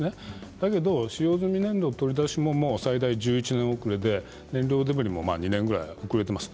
だけど使用済み燃料の取り出しも最大１１年遅れていて燃料デブリも２年ぐらい遅れています。